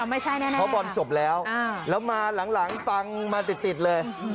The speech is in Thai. ไม่ใช่แน่แน่พอบอลจบแล้วอ่าแล้วมาหลังหลังปังมาติดติดเลย